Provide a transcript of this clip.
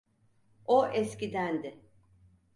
O eskidendi.